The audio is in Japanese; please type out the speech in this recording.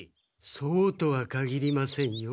そうとはかぎりませんよ。